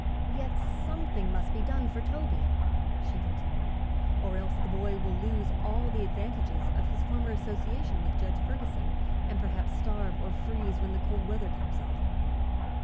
"Yet something must be done for Toby," she continued, "or else the boy will lose all the advantages of his former association with Judge Ferguson and perhaps starve or freeze when the cold weather comes on.